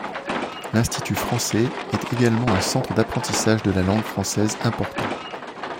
L'Institut français est également un centre d’apprentissage de la langue française important.